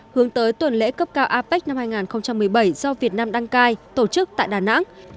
hướng tới tuần lễ cấp cao apec năm hai nghìn một mươi bảy do việt nam đăng cai tổ chức tại đà nẵng